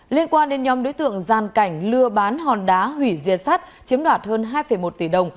liên quan đến nhóm đối tượng gian cảnh lừa bán hòn đá hủy diệt sắt chiếm đoạt hơn hai một tỷ đồng